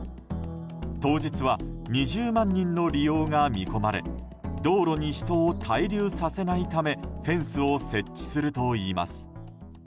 当日は２０万人の利用が見込まれ道路に人を滞留させないためフェンスを設置するといいます。